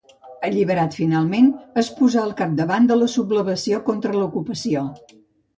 Alliberat finalment, es posà al capdavant de la sublevació contra l'ocupació.